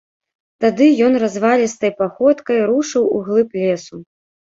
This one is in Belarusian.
Тады ён развалістай паходкай рушыў у глыб лесу.